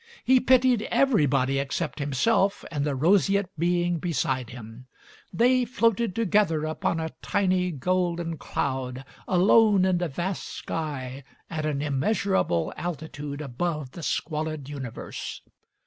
He pitied everybody except himself and the roseate being beside him; they floated together upon a tiny golden cloud, alone in the vast sky at an immeasurable altitude above the squalid universe.